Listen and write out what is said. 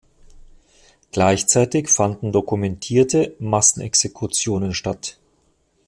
Gleichzeitig fanden dokumentierte Massenexekutionen statt.